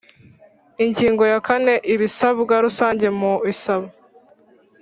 Ingingo ya kane Ibisabwa rusange mu isaba